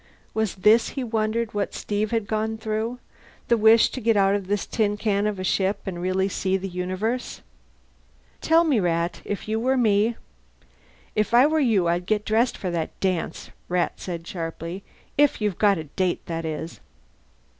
Was this, he wondered, what Steve had gone through? The wish to get out of this tin can of a ship and really see the universe? "Tell me, Rat. If you were me " "If I were you I'd get dressed for that dance," Rat said sharply. "If you've got a date, that is."